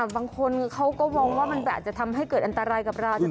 บางคนเขาก็มองว่ามันอาจจะทำให้เกิดอันตรายกับเรา